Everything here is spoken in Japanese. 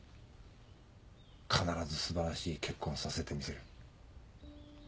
必ず素晴らしい結婚をさせてみせる。